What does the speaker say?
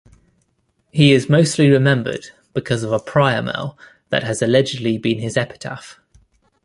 He is mostly rmembered because of a priamel that has allegedly been his epitaph.